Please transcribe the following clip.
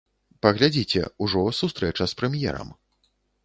Паглядзіце, ужо сустрэча з прэм'ерам.